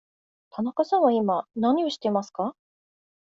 田中さんは今何をしていますか。